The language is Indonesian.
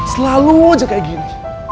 selalu aja kayak gini